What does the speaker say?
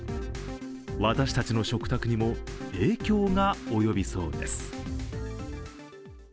私たちの食卓にも影響がおよびそうです。